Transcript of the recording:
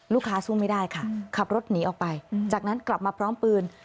สู้ไม่ได้ค่ะขับรถหนีออกไปจากนั้นกลับมาพร้อมปืน